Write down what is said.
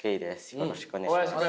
よろしくお願いします。